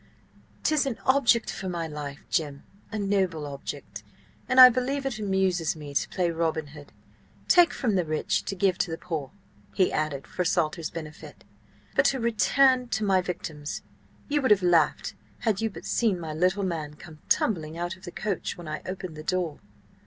"'Tis an object for my life, Jim: a noble object. And I believe it amuses me to play Robin Hood–take from the rich to give to the poor," he added, for Salter's benefit. "But to return to my victims–you would have laughed had you but seen my little man come tumbling out of the coach when I opened the door!"